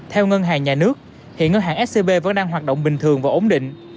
theo ngân hàng nhà nước hiện ngân hàng scb vẫn đang hoạt động bình thường và ổn định